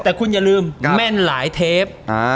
แต่คุณอย่าลืมแม่นหลายเทป